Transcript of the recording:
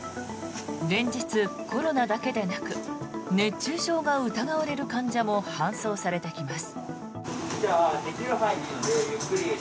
連日、コロナだけでなく熱中症が疑われる患者も搬送されてきます。